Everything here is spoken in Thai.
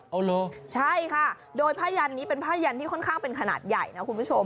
เอาเหรอใช่ค่ะโดยผ้ายันนี้เป็นผ้ายันที่ค่อนข้างเป็นขนาดใหญ่นะคุณผู้ชม